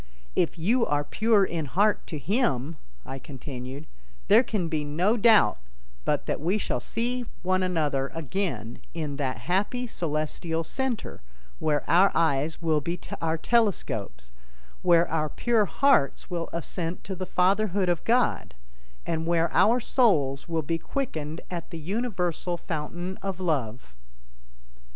"If you are pure in heart to Him," I continued, "there can be no doubt but that we shall see one another again in that happy celestial center where our eyes will be our telescopes, where our pure hearts will assent to the Fatherhood of God, and where our souls will be quickened at the universal fountain of Love."